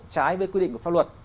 trái với quy định của pháp luật